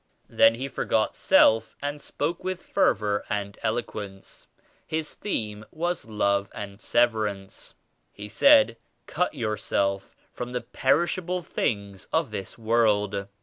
Then he forgot self and spoke with fervor and eloquence. His theme was "Love and Severance." He said "Cut yourself from the perishable things of this world.